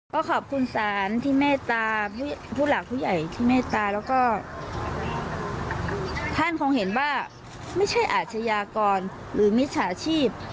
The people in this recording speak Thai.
ก็ขอบคุณศาลที่เมตตาผู้หลักผู้ใหญ่ที่เมตตาแล้วก็ท่านคงเห็นว่าไม่ใช่อาชญากรหรือมิจฉาชีพ